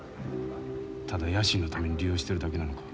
ただ野心のために利用してるだけなのか。